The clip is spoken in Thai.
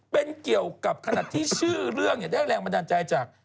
เป็นเกี่ยวกับขนาดที่ชื่อเรื่องได้แรงบันดาลใจจาก